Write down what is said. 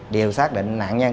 đều xác định nạn nhân